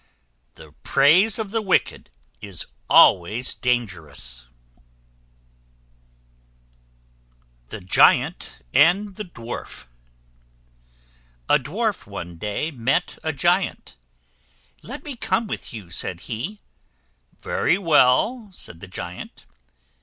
The praise of the wicked is always dangerous. THE GIANT AND THE DWARF. A Dwarf one day met a Giant. "Let me come with you," said he. "Very well," said the Giant.